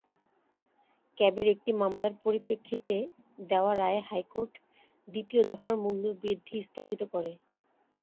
ক্যাবের একটি মামলার পরিপ্রেক্ষিতে দেওয়া রায়ে হাইকোর্ট দ্বিতীয় দফার মূল্যবৃদ্ধি স্থগিত করে।